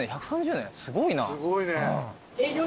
すごいね。